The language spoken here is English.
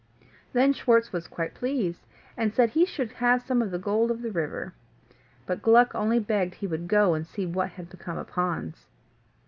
Then Schwartz was quite pleased, and said he should have some of the gold of the river. But Gluck only begged he would go and see what had become of Hans.